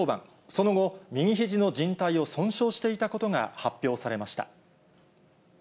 その後、右ひじのじん帯を損傷していたことが発表されました。